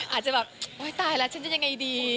อาจจะแบบโอ๊ยตายแล้วฉันจะยังไงดี